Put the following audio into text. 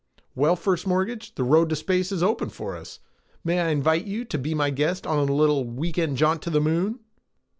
Well, First Mortgage, the road to space is open for us. May I invite you to be my guest on a little week end jaunt to the Moon?"